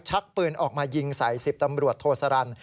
ชักปืนออกมายิงใส่๑๐ตำรวจโทสรร